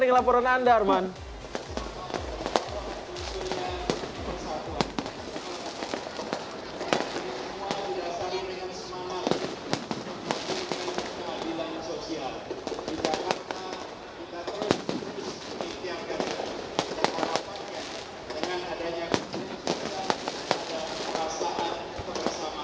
semua di laporan kita dengan adanya kebijakan dan perasaan kebersamaan